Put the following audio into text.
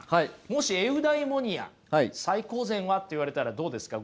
もしエウダイモニア「最高善は？」って言われたらどうですか？